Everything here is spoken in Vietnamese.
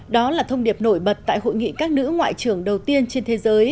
đó là thông điệp nổi bật tại hội nghị các nữ ngoại trưởng đầu tiên trên thế giới